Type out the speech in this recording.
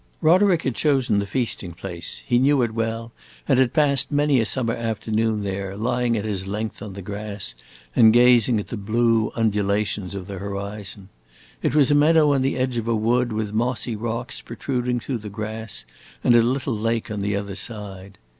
Roderick had chosen the feasting place; he knew it well and had passed many a summer afternoon there, lying at his length on the grass and gazing at the blue undulations of the horizon. It was a meadow on the edge of a wood, with mossy rocks protruding through the grass and a little lake on the other side.